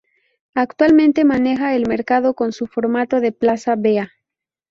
Actualmente maneja el mercado con su formato de Plaza vea.